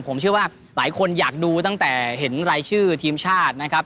ผมเชื่อว่าหลายคนอยากดูตั้งแต่เห็นรายชื่อทีมชาตินะครับ